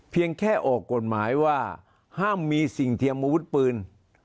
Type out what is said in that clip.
เพียงแค่ออกกฎหมายว่าห้ามมีสิ่งเทียมอาวุธปืน